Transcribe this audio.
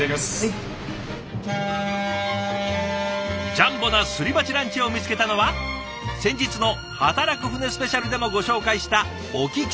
ジャンボなすり鉢ランチを見つけたのは先日の働く船スペシャルでもご紹介した隠岐汽船。